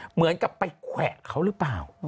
เหมือนกับไปแขวะเขาหรือเปล่า